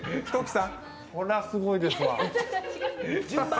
これはすごいですわ。